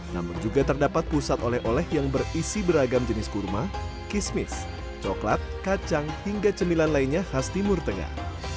namun juga terdapat pusat oleh oleh yang berisi beragam jenis kurma kismis coklat kacang hingga cemilan lainnya khas timur tengah